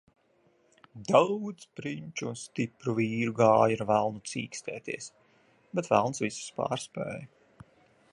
Daudz prinču un stipru vīru gāja ar velnu cīkstēties, bet velns visus pārspēja.